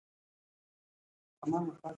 مضمون او موضوع باندي اغېزه ونه لري.